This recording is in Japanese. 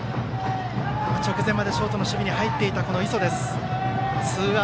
直前までショートの守備に入っていた磯です。